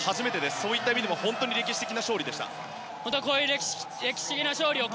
そういった意味でも歴史的な勝利です。